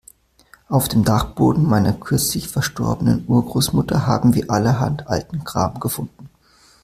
Auf dem Dachboden meiner kürzlich verstorbenen Urgroßmutter haben wir allerhand alten Kram gefunden.